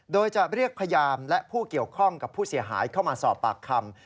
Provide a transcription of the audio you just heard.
โดยจะเรียกพยานและผู้เกี่ยวข้องกับผู้เสียหายเข้ามาสอบปากคำ